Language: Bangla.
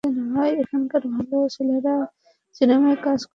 এখানের ভালো ছেলেরা সিনেমায় কাজ করা মেয়ে পছন্দ করে না।